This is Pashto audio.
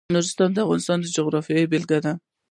نورستان د افغانستان د جغرافیې بېلګه ده.